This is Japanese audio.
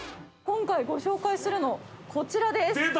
今回ご紹介するのこちらです。